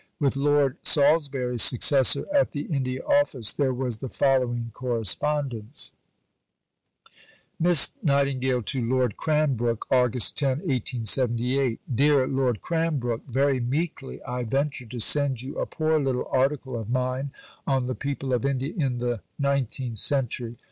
With Lord Salisbury's successor at the India Office there was the following correspondence: (Miss Nightingale to Lord Cranbrook.) August 10 . DEAR LORD CRANBROOK Very meekly I venture to send you a poor little article of mine on the People of India in the Nineteenth Century.